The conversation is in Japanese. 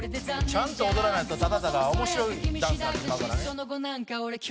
「ちゃんと踊らないとただただ面白いダンスになってまうからね」